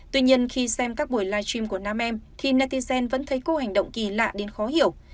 tuy nhiên khi xem các buổi live stream của nam em thì naticelan vẫn thấy cô hành động kỳ lạ đến khó hiểu